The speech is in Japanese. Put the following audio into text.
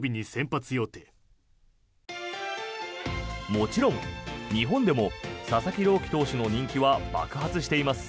もちろん日本でも佐々木朗希投手の人気は爆発しています。